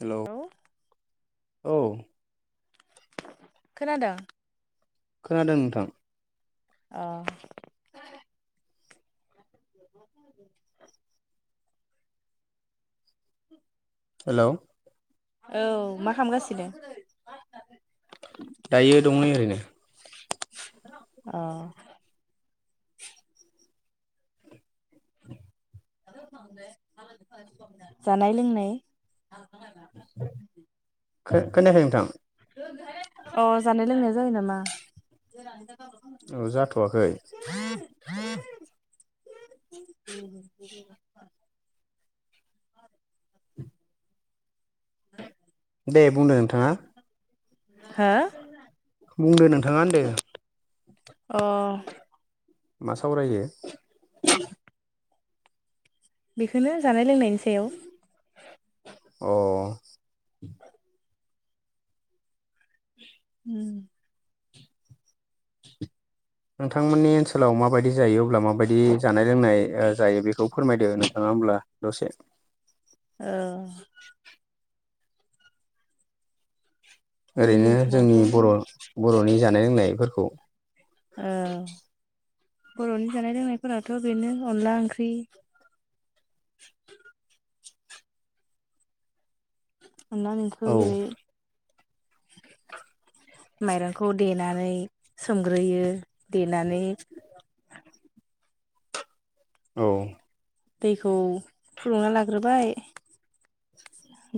हेल' औ औ खोनादों खोनादों नोंथां औ [inaudible] हेल' औ मा खालामगासिनो? दायो दंनै ओरैनो अ [unintelligible] जानाय लोंनाय [unintelligible] खोनायाखै नोंथां अ जानाय लोंनाया जायो नामा औ जाथ'वाखै उ [unintelligible] [unintelligible] दे बुंदों नोंथाङा हो बुंदो नोंथाङा होनदों अ मा सावरायो बेखौनो जानाय लोंनायनि सायाव औ उम नोंथांमोननि ओनसोलाव माबायदि जायो अब्ला माबायदि जानाय लोंनाय जायो बेखौ फोरमायदो नोंथाङा होमब्ला दसे औ जोंनि ओरैनो ओनसोलावथ' जोंनि बर' औ बर'नि जानाय लोंनायफोरखौ बर'नि जानाय लोंनायफोराथ' बेनो अनला ओंख्रि [unintelligible] अनला बेंख औ जायो माइरंखौ देनानै सोमग्रोयो देनानै [unintelligible] औ दैखौ फुदुंना लाग्रोबाय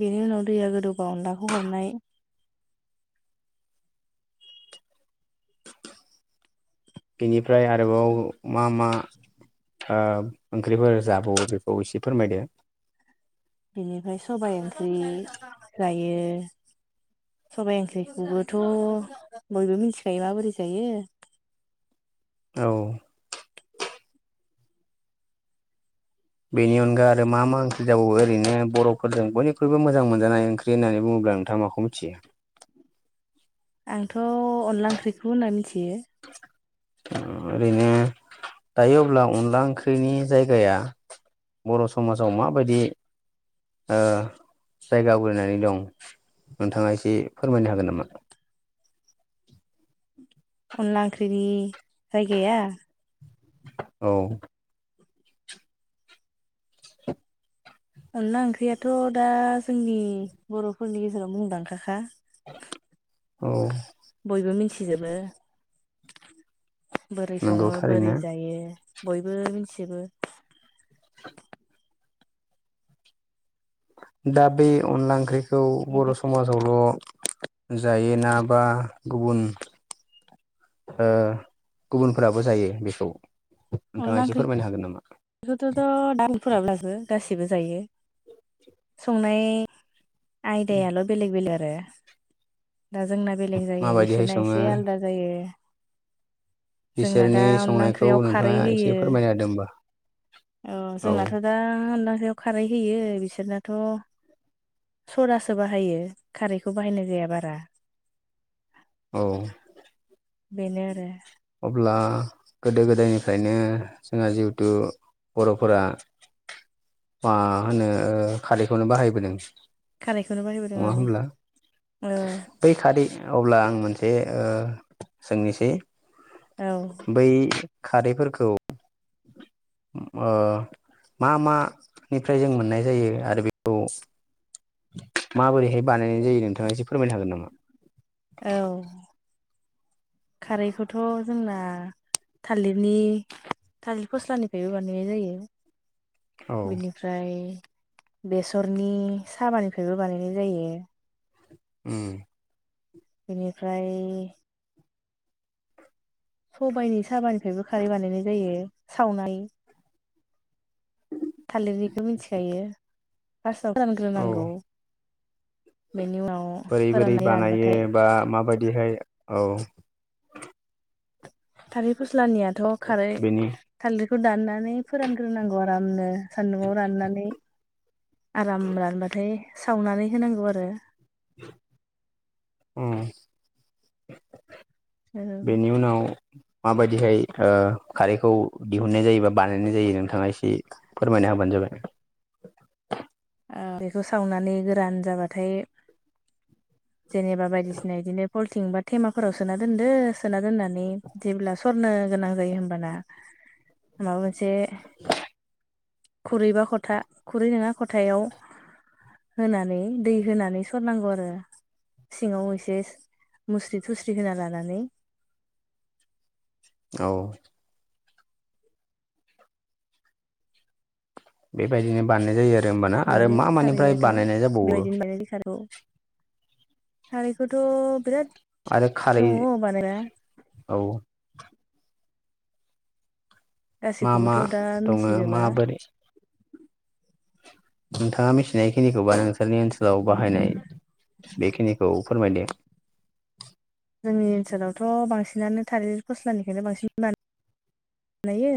बेनि उनाव दैया गोदौबा अनलाखौ हरनाय बेनिफ्राय आरोबाव मा मा ओंख्रिफोर जाबावो बेखौ एसे फोरमायदो बिनिफ्राय सबाय ओंख्रि जायो। सबाइ ओंख्रिखौबोथ' बयबो मिथिखायो माबोरै जायो। औ बेनि अनगा आरो मा मा ओंख्रि जाबावो ओरैनो बर'फोरजों बयनिख्रुइबो मोजां मोनजानाय ओंख्रि होननानै बुङोब्ला नोंथाङा माखौ मिथियो [inaudible] आंथ' अनला ओंख्रिखौ होनना मिथियो ओरैनो दायो अब्ला अनला ओंख्रिनि जायगाया बर' समाजाव माबायदि जायगा आवग्रिनानै दं नोंथाङा एसे फोरमायनो हागोन नामा अनलाख्रिनि है गैया औ अनला ओंख्रियाथ' दा जोंनि बर'फोरनि गेजेराव मुंदांखाखा औ बयबो मिथिजोबो बोरै नंगौ सङो बोरै थारैनो जायो बयबो मिथिजोबो दा बे अनला ओंख्रिखौ बर' बेनो समाजावल' जायोना बा गुबुन गुबुनफोराबो जायो बेखौ नोंथाङा एसे फोरमायनो हागोन नामा बेखौथ'थ' दामफोराब्लाबो गाससिबो जायो संनाय आयदायाल' बेलेग बेलेग आरो दा जोंना बेलेग जायो माबायदिहाय बिसोरना सङो एसे आलादा जायो जोंना दा बिसोरनि अनला संनायखौ ओंख्रियाव खारै नोंथाङा एसे होयो फोरमायना होदो होमबा। औ जोंनाथ' दा अनला सायाव खारै होयो बिसोरनाथ' सरासो बाहायो खारैखौ बाहायनाय जाया बारा औ बेन आरो अब्ला गोदो गोदायनिफ्रायनो जोंहा जिहेथु बर'फोरा मा होनो खारैखौनो बाहायबोदों खारैखौनो बाहायबोदों नङा औ हब्ला बै खारै अब्ला आं मोनसे ओ सोंनोसै औ बै खारैफोरखौ ओ मा मानिफ्राय जों मोननाय जायो आरो बेखौ माबोरैहाय बानायनाय जायो नोंथाङा एसे फोरमायनो हागोन नामा औ खारैखौथ' जोंना थालिरनि थालिर फस्लानिफ्रायबो बानायनाय औ जायो बिनिफ्राय बेसरनि साबानिफ्रायबो बानायनाय जायो उम बेनिफ्राय सबायाइनि साबानिफ्रायबो खारै बानायनाय जायो सावनाय थालिरनिखौ मिथिखायो फार्स्टआव औ फानग्रोनांगौ बोरै बोरै बानायो रानबाथाय बा माबायदिहाय औ थारिर फस्लानियाथ' खारै बेनि थालिर खौ दाननानै फोरानग्रोनांगौ आरामनो सान्दुंव राननानै आराम रानबाथाय सावनानै होनांगौ आरो अ बेनि उनाव माबायदिहाय खारैखौ दिहुननाय जायो बा बानायनाय जायो नोंथाङा एसे फोरमायनो हाग बजबायाय [unintelligible] [inaudible] ओ बेखौ सावनानै गोरान जाबाथाय जेनेबा बायदिसिना बिदिनो हलथिं बा थेमाफोराव सोनादोनदो सोना दोननानै जेब्ला सरनो गोनां जायो होमबाना माबा मोनसे [inaudible] खुरैबा खथा खुरै नंङा खथायाव होनानै दै होनानै सरनांगौ आरो सिंङाव एसे मुस्रि थुस्रि होना लानानै औ बेबायदिनो बानायनाय जायो आरो होमबाना आरो बेनो मा मा निफ्राय खारैयाथ' बानायनाय जाबावो बेबायदिनो बानायनाय खारैखौ खारैखौथ' बिराद आरो खारै दंङ बानायना औ मा मा गासैखौबोथ' दा दंङ मिथिजोबा माबोरै? नोंथांङा मिथिनाय खिनिखौबा नोंसोरनि ओनसोलाव बाहायनाय बेखिनिखौ फोरमायदों जोंनि ओनसोलावथ' बांसिनानो थालिर फस्लानिखौनो बांसिन बाना नायो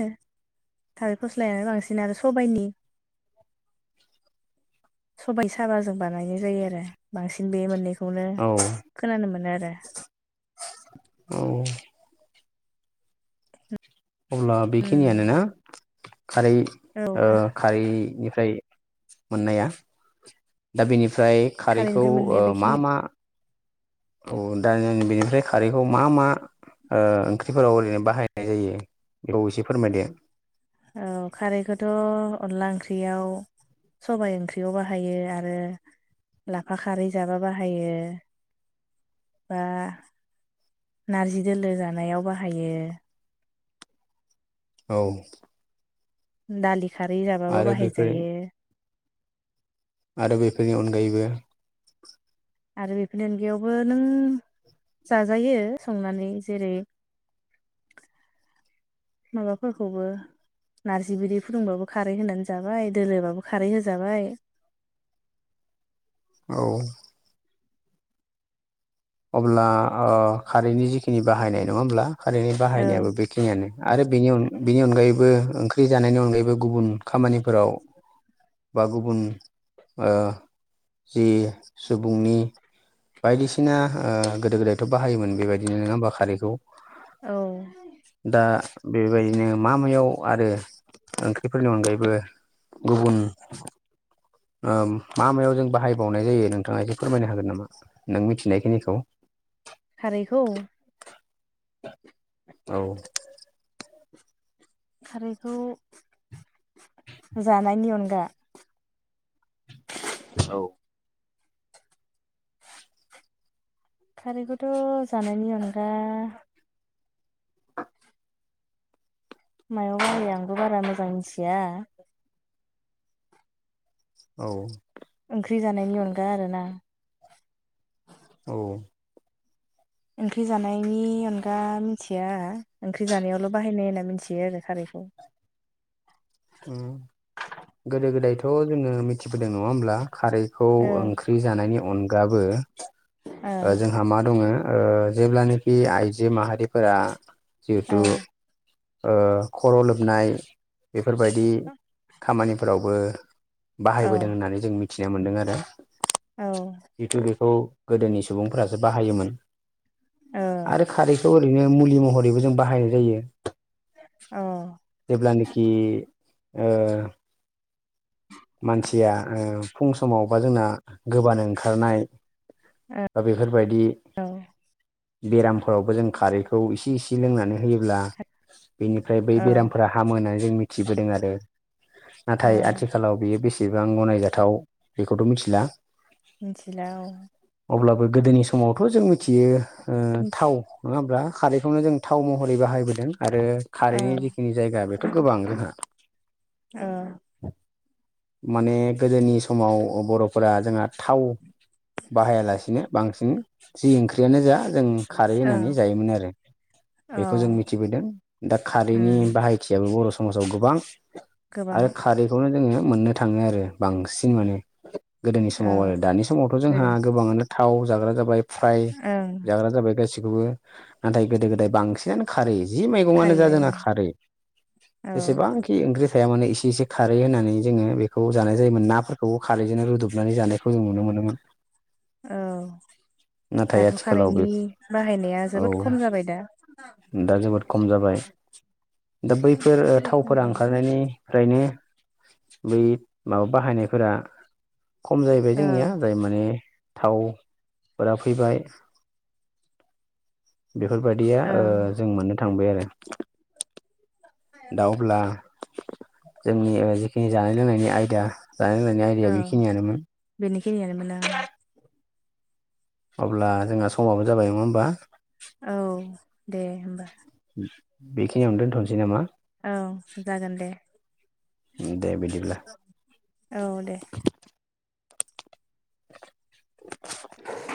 थालिर फस्लायानो बांसिन आरो सबाइनि सबाय साबाजों बानायनाय जायो आरो बांसिन बे मोननैखौ बेखौनो औ खोनानो मोनो आरो औ अब्ला बेखिनियानो उम ना? खारै औ ओ खारैनिफ्राय मोननाया दा बेनि ओमफ्राय खारैखौ खारैनिफ्राय ओ मोननाया मा बेखिनि मा औ दा जों बेनिफ्राय खारैखौ मा मा ओ ओंख्रिफोराव ओरैनो बाहायनाय जायो बेखौ एसे फोरमायदो औ खारैखौथ अनला ओंख्रियाव सबाइ ओंख्रियाव बाहायो आरो लाफा खारै जाबा बाहायो बा नारजि दोलो जानायाव बाहायो औ दालि खारै जाबाबो बेफोर बाहायजायो आरो बेफोरनि अनगायैबो आरो बेफोरनि अनगायावबो नों जाजायो संनानै जेरै माबाफोरखौबो नार्जि बिदै फुदुंबाबो खारै होनानै जाबाय दोलोबाबो खारै होजाबाय [inaudible] औ अब्ला ओ खारैनि जिखिनि बाहायनाय नंङा होनब्ला खारैनि औ बाहायनायाबो बेखिनियानो आरो बिनि बेनि अनगायैबो ओं ख्रि जानायनि अनगायैबो गुबुन खामानिफोराव बा गुबुन ओ जि सुबुंनि बायदिसिना ओ गोदो गोदायथ' बाहायोमोन बेबायदिनो नंङा होनबा खारैखौ औ दा बेबायदिनो मा मायाव आरो ओंख्रिफोरनि अनगायैबो गुबुन ओ मा मायाव जों बाहायबावनाय जायो नोंथांङा एसे फोरमायनो हागोन नामा नों मिथिनायखिनिखौ औ खारैखौ औ खारैखौ जानायनि अनगा औ खारैखौथ जानायनि अनगा मायाव बाहायो आंबो बारा मोजां मिथिया औ ओंख्रि जानायनि अनगा आरोना औ ओंख्रि जानायनि अनगा मिथिया ओंख्रि जानायावल बाहायनाय होनना मिथियो आरो खारै उम उम गोदो गोदायथ जोंङो मिथिबोदों नङा होमब्ला खारैखौ ओ ओंख्रि जानायनि अनगाबो जोंहा मा दङ ओ जेब्लानाखि आइजो माहारिफोरा ओ जिहेथु ओ खर लोबनाय बेफोरबायदि खामानिफोरावबो बाहायबोदों होननानै जों मिथिनो मोनदों आरो औ जिथु बेखौ गोदोनि सुबुंफोरासो बाहायोमोन औ आरो खारैखौ ओरैनो मुलि महरै बयबो जों बाहायनाय जायो औ जेब्लानोखि ओ मानसिया फुं समाव बा जोंना गोबानो ओंखारनाय औ दा बेफोरबायदि बेरामफोरावबो जों खारैखौ इसे इसे लोंनानै होयोब्ला बेनिफ्राय बै औ बेरामफोरा हामो होननानै जों मिथिबोदों आरो औ नाथाय आथिखालाव बेयो बेसेबां गनायजाथाव बेखौथ' मिथिला मिथिला अब्लाबो गोदोनि समावथ' जों मिथियो ओ मिथि थाव नङा होमब्ला खारैखौनो जों थाव महरै बाहायबोदों। आरो औ खारैनि जिखिनि जायगा बेथ' गोबां जोंहा औ माने गोदोनि समाव बर'फोरा जोंहा थाव बाहायालासिनो बांसिन जि ओंख्रियानो जा जों खारै औ होननानै जायोमोन आरो औ बेखौ जों मिथिबोदों दा खारैनि उम बाहायथियाबो बर' समाजाव गोबां गोबां आरो खारैखौनो जोङो मोननो थाङो आरो बांसिन माने गोदोनि औ समाव आरो दानि समावथ' जोंहा गोदो गोबाङानो थाव जाग्रा जाबाय फ्राय ओं जाग्रा जाबाय गाससिखौबो नाथाय गोदो गोदाय बांसिनानो खारै जि मैगंयानो खारै जा जोंना बायबा खारै औ जेसेबांखि ओंख्रि थाया मानो एसे एसे खारै होनानै जोङो बेखौ जानाय जायोमोन नाफोरखौबो खारैजोंनो रुदबनानै जानायखौ जों नुनो मोनोमोन। औ नाथाय दाथ' आथिखालाव बे कारैनि बाहायनाया औ जोबोद खम जाबाय दा दा जोबोद खम जाबाय दा बैफोर ओ थावफोरा ओंखारनायनि फ्रायनो बै माबा बाहायनायफोरा खम जाहैबाय औ जोंनिया जाय माने थावफोरा फैबाय बेफोरबायाददिया औ ओ जों मोननो थांबाय आरो दा अब्ला जोंनि जिखिनि जानाय लोंनायनि आयदा जानाय लोंनायनि औ आयदाआ बे खिनियानोमोन। बेनिखिनियानोमोन आं अब्ला जोंहा समाबो जाबाय नङा होमबा औ दे होमबा बेखिनियावनो दोनथ'नोसै नामा। औ जागोन दे। दे बिदिब्ला। औ दे [unintelligible]